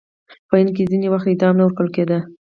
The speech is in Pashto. په هند کې ځینې وخت اعدام نه ورکول کېده.